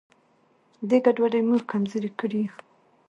دا ګډوډي موږ کمزوري کړي یو.